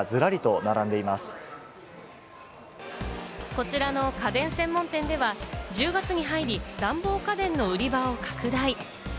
こちらの家電専門店では、１０月に入り、暖房家電の売り場を拡大。